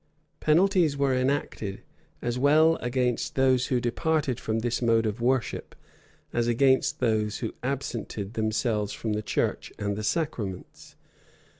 Penalties were enacted, as well against those who departed from this mode of worship, as against those who absented themselves from the church and the sacraments.